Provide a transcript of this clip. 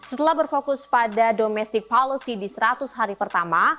setelah berfokus pada domestic policy di seratus hari pertama